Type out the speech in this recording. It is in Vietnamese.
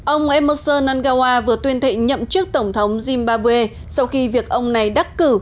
ông emerson nagawa vừa tuyên thệ nhậm chức tổng thống zimbabwe sau khi việc ông này đắc cử